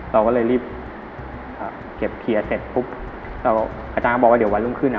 เราก็เลยรีบเก็บเคลียร์เสร็จปุ๊บแล้วอาจารย์บอกว่าเดี๋ยววันรุ่งขึ้นอ่ะ